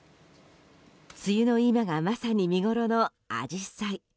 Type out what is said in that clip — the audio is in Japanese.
梅雨の今がまさに見ごろのアジサイ。